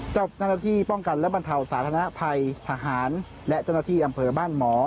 เจ้าหน้าที่ป้องกันและบรรเทาสาธารณภัยทหารและเจ้าหน้าที่อำเภอบ้านหมอ